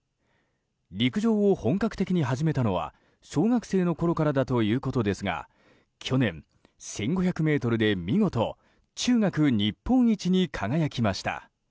陸上を本格的に始めたのは小学生のころからということですが去年、１５００ｍで見事、中学日本一に輝きました。